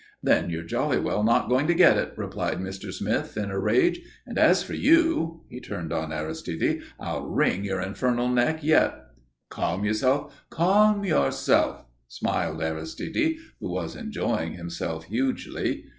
"Then you're jolly well not going to get it," cried Mr. Smith, in a rage. "And as for you" he turned on Aristide "I'll wring your infernal neck yet." "Calm yourself, calm yourself!" smiled Aristide, who was enjoying himself hugely.